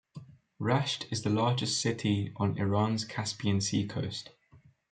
Rasht is the largest city on Iran's Caspian Sea coast.